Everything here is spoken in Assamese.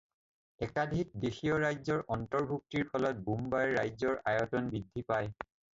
একাধিক দেশীয় ৰাজ্যৰ অন্তৰ্ভুক্তিৰ ফলত বোম্বাই ৰাজ্যৰ আয়তন বৃদ্ধি পায়।